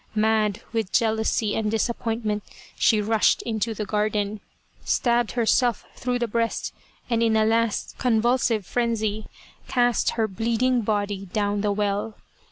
Mad with jealousy and disappointment she rushed into the garden, stabbed herself through the breast, and in a last convulsive frenzy, cast her bleeding body down the well.